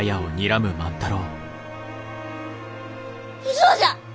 嘘じゃ！